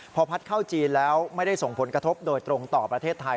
พอพัดเข้าจีนแล้วไม่ได้ส่งผลกระทบโดยตรงต่อประเทศไทย